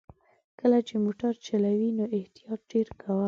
کله چې موټر چلوې نو احتياط ډېر کوه!